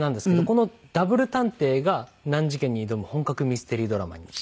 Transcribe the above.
このダブル探偵が難事件に挑む本格ミステリードラマに。